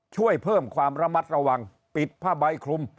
ช่วยเพิ่มความระมัดระวังปิดผ้าใบคลุม